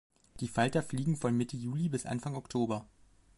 Die Falter fliegen von Mitte Juli bis Anfang Oktober.